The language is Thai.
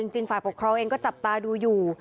ฝ่ายปกครองเองก็จับตาดูอยู่